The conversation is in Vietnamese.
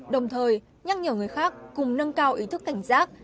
đồng thời nhắc nhở người khác cùng nâng cao ý thức cảnh giác